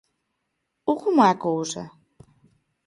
Ou como é a cousa?